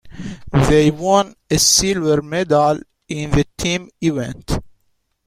They won a silver medal in the team event.